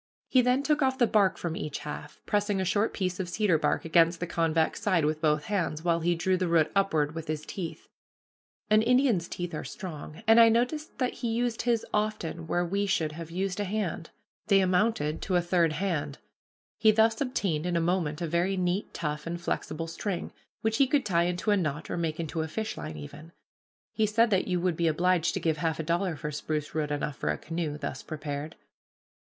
He then took off the bark from each half, pressing a short piece of cedar bark against the convex side with both hands, while he drew the root upward with his teeth. An Indian's teeth are strong, and I noticed that he used his often where we should have used a hand. They amounted to a third hand. He thus obtained in a moment a very neat, tough, and flexible string, which he could tie into a knot, or make into a fishline even. He said that you would be obliged to give half a dollar for spruce root enough for a canoe, thus prepared.